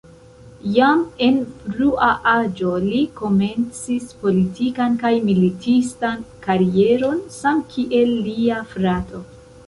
Jam en frua aĝo li komencis politikan kaj militistan karieron samkiel lia frato.